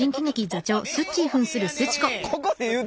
ここで言うて。